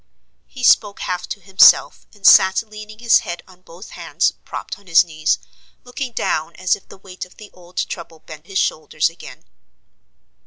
He spoke half to himself, and sat leaning his head on both hands propped on his knees, looking down as if the weight of the old trouble bent his shoulders again.